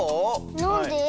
なんで？